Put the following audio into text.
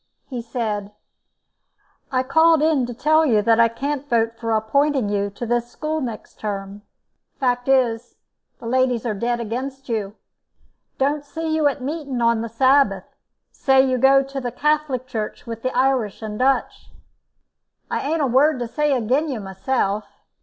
He said: "I called in to tell you that I can't vote for appinting you to this school next term. Fact is the ladies are dead against you; don't see you at meeting on the Sabbath; say you go to the Catholic Church with the Irish and Dutch. I a'n't a word to say agen you myself.